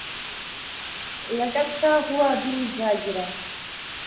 لڑھکتا ہوا دور جا گرا